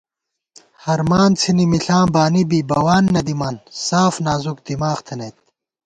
ہرمان څھِنی مِݪاں بانی بی بَوان نہ دِمان ساف نازُک دِماغ تھنَئیت